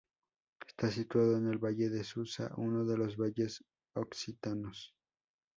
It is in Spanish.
Está situado en el Valle de Susa, uno de los Valles Occitanos.